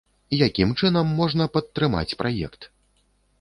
Якім чынам можна падтрымаць праект?